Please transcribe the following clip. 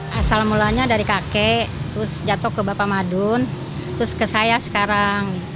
hai asal mulanya dari kakek terus jatuh ke bapak madun terus ke saya sekarang